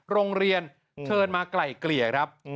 โรงเรียนเชิญมาไกล่เกลี่ยครับ